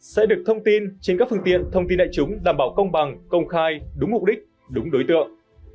sẽ được thông tin trên các phương tiện thông tin đại chúng đảm bảo công bằng công khai đúng mục đích đúng đối tượng